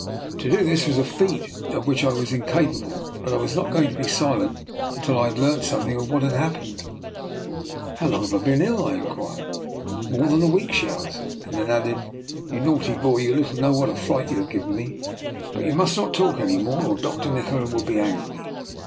To do this was a feat of which I was in capable, but I was not going to be silent until I had learnt something of what had happened. How long have I been ill? " I inquired. More than a week," she answered; and then added, " You naughty boy, you little know what a fright you have given me. But you must not talk any more, or Dr. Nikola will be angry."